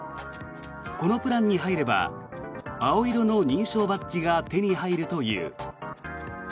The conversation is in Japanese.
このプランに入れば青色の認証バッジが手に入るという。